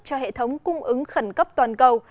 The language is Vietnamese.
cho hệ thống cung ứng khẩn cấp toàn cầu